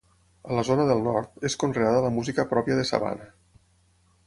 A la zona del nord, és conreada la música pròpia de sabana.